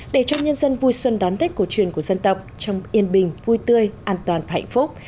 để cho nhân dân vui xuân đón tết cổ truyền của dân tộc trong yên bình vui tươi an toàn và hạnh phúc